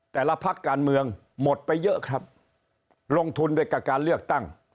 แต่ละพักการเมืองหมดไปเยอะครับลงทุนไปกับการเลือกตั้ง